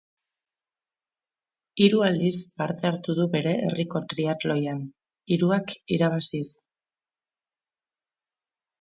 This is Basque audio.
Hiru aldiz parte hartu du bere herriko triatloian, hiruak irabaziz.